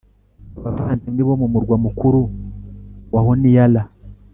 Abavandimwe bo mu murwa mukuru wa Honiara